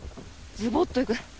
ズボッと行く。